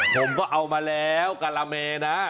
ผมก็เอามาแล้วกะละเมนะ